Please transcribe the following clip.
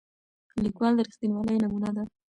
لیکوال د رښتینولۍ نمونه ده.